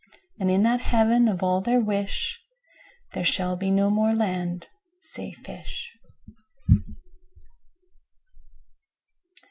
33And in that Heaven of all their wish,34There shall be no more land, say fish.